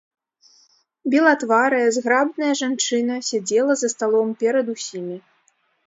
Белатварая, зграбная жанчына сядзела за сталом перад усімі.